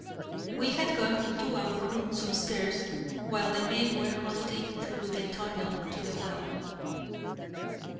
We had gone to our rooms upstairs while the men were hunting through the tunnel to the well.